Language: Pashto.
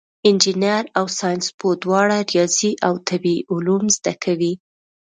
انجینر او ساینسپوه دواړه ریاضي او طبیعي علوم زده کوي.